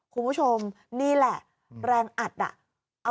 คุณผู้ชมนี่แหละแรงอัดอ่ะ